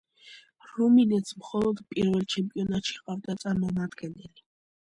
რუმინეთს მხოლოდ პირველ ჩემპიონატში ჰყავდა წარმომადგენელი.